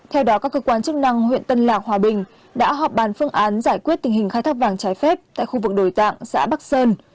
theo đó các cơ quan chức năng huyện tân lạc hòa bình đã họp bàn phương án giải quyết tình hình khai thác vàng trái phép tại khu vực đồi tạng xã bắc sơn